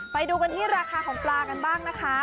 ไปดูกันที่ราคาของปลากันบ้างนะคะ